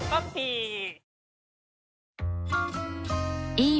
いい